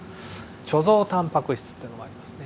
貯蔵タンパク質っていうのもありますね。